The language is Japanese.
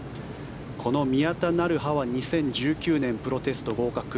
この宮田成華は２０１９年プロテスト合格。